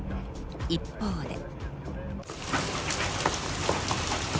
一方で。